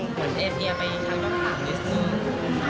เหมือนเอเชียไปทั้งโรงพยาบาลและสนุก